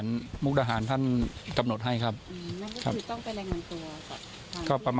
ยังให้อยู่ไหม